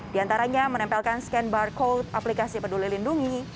diantaranya menempelkan skan barcode aplikasi peduli lindungi